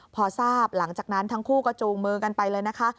พอทราบหลังจากนั้นทั้งคู่ก็จูงมือกันไปเลยนะคะ